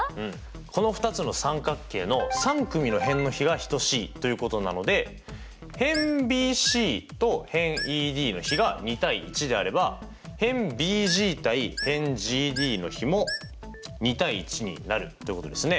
この２つの三角形の３組の辺の比は等しいということなので辺ＢＣと辺ＥＤの比が２：１であれば辺ＢＧ：辺ＧＤの比も２：１になるってことですね。